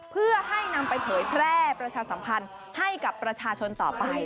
เพื่อให้นำไปเผยแพร่ประชาสัมพันธ์ให้กับประชาชนต่อไป